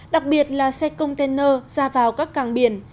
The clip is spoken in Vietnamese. đặc biệt là xe container ra vào các càng biển